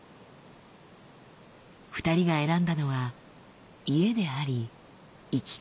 ２人が選んだのは家であり生き方でした。